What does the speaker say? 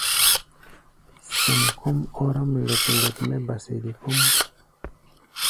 Sɛm kɔ́ʼm ɔráʼm lɛp-lɛp mɛ́ ba sede kɔ́ʼm.